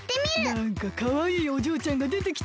なんかかわいいおじょうちゃんがでてきたな。